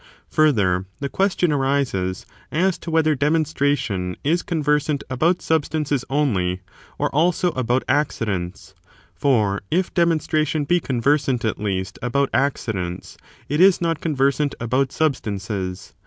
Further, the question arises as to whether demon stration ^ is conversant about substances only, or also about accidents ? for if demonstration be conversant, at least, about accidents, it is not conversant about substances.